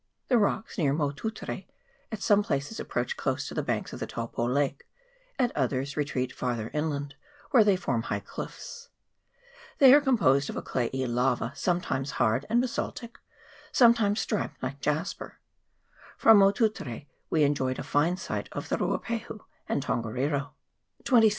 The rocks near Motutere at some places ap proach close to the banks of the Taupo lake, at others retreat farther inland, where they form high cliffs. They are composed of a clayey lava, some times hard and basaltic, sometimes striped like jas 366 INJURIOUS EFFECTS OF [PART II. per. From Motutere we enjoyed a fine sight of the Ruapahu and Tongariro. 26th.